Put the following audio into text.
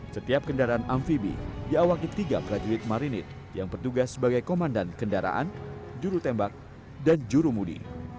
setiap kendaraan amfibi diawaki tiga prajurit marinir yang bertugas sebagai komandan kendaraan juru tembak dan jurumudi